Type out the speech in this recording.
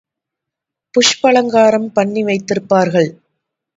புஷ்பாலங்காரம் பண்ணி வைத்திருப்பார்கள்.